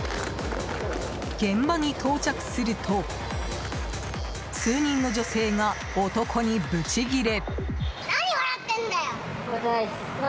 現場に到着すると数人の女性が男にブチギレ。